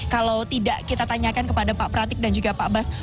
kalau tidak kita tanyakan kepada pak pratik dan juga pak bas